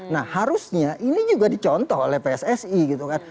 nah harusnya ini juga dicontoh oleh pssi gitu kan